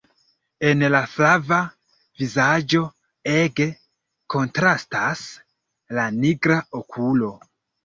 En la flava vizaĝo ege kontrastas la nigra okulo.